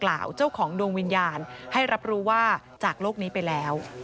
เกราะเจ้าของดวงวิญญาณในกลุ่มนี้ให้รับรู้ว่าจากโลกนี้ไปแล้ว